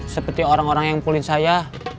seperti orang orang yang ngumpulin saya